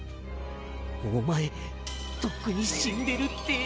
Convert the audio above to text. お前とっくに死んでるって。